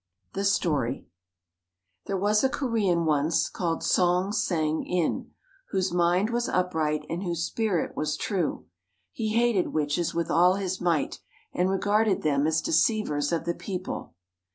] The Story There was a Korean once, called Song Sang in, whose mind was upright and whose spirit was true. He hated witches with all his might, and regarded them as deceivers of the people.